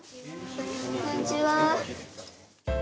こんにちは。